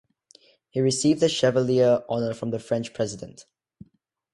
He received the Chevalier honour from the French president.